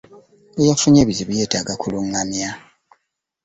Eyafunye ekizibu yeetaaga kuluŋŋamya.